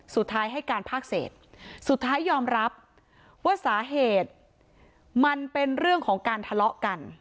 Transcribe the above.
สุดท้ายให้การภาคเศษสุดท้ายยอมรับว่าสาเหตุมันเป็นเรื่องของการทะเลาะกัน